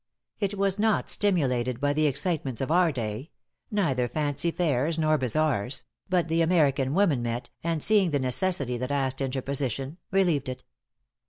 It was not stimulated by the excitements of our day neither fancy fairs, nor bazaars; but the American women met, and seeing the necessity that asked interposition, relieved it.